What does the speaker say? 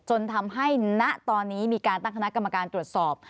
จนทำให้ณตอนนี้มีการตั้งคณะกรรมการตรวจสอบ